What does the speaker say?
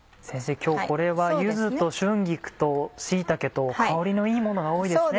今日これは柚子と春菊と椎茸と香りのいいものが多いですね。